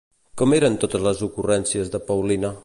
Com eren totes les ocurrències de Paulina?